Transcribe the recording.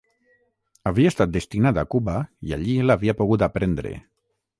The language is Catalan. Havia estat destinat a Cuba i allí l’havia pogut aprendre.